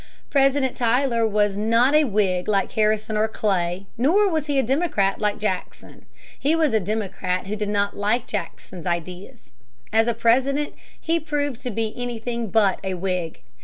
President Tyler was not a Whig like Harrison or Clay, nor was he a Democrat like Jackson. He was a Democrat who did not like Jackson ideas. As President, he proved to be anything but a Whig.